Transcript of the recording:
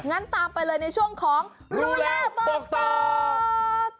งั้นตามไปเลยในช่วงของดูแลบอกต่อ